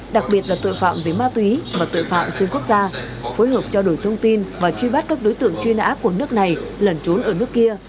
đặc biệt là tội phạm về ma túy và tội phạm xuyên quốc gia phối hợp trao đổi thông tin và truy bắt các đối tượng truy nã của nước này lẩn trốn ở nước kia